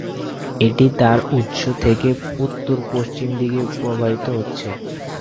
এটি তার উৎস থেকে উত্তর-পশ্চিম দিকে প্রবাহিত হয়েছে।